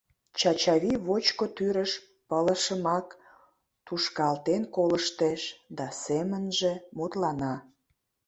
Чачавий вочко тӱрыш пылышымак тушкалтен колыштеш да семынже мутлана: